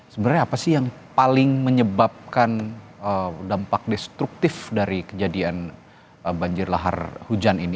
sebenarnya apa sih yang paling menyebabkan dampak destruktif dari kejadian banjir lahar hujan ini